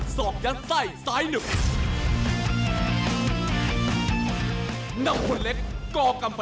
สวัสดีครับ